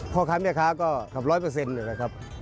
พ่อค้ามีค้าก็กลับร้อยเปอร์เซ็นต์เลยครับ